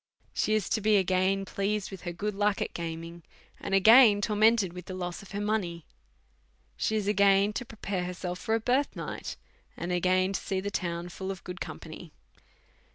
She is to be again pleased with her good luck at gaming, and again tormented with the loss of her money. She is again to prepare her self for a bi»'th night, and again to see the town full of good con any.